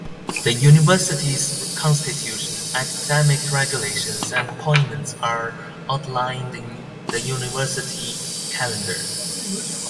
The University's constitution, academic regulations, and appointments are outlined in the University calendar.